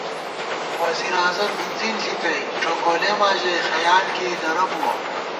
وزیر اعظم اِڅِن ݪِکَئ ڄوکولېما ژَئی خیال کېئی درہ بُوَہ